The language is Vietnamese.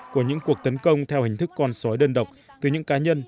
của những cuộc tấn công theo hình thức con sói đơn độc từ những cá nhân